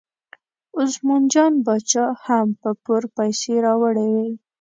عثمان جان باچا هم په پور پیسې راوړې وې.